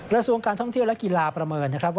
กระทรวงการท่องเที่ยวและกีฬาประเมินนะครับว่า